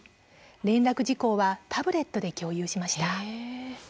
連絡事項はタブレットで共有しました。